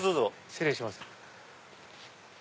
失礼します。